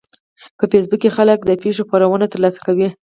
په فېسبوک کې خلک د پیښو خبرونه ترلاسه کوي